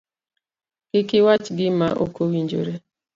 Kik iwach gima okowinjore